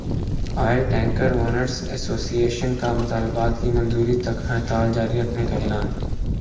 oil tanker owners association کا مطالبات کی منظوری تک ہڑتال جاری رکھنے کا اعلان